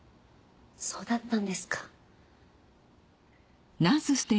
そうだったんですか。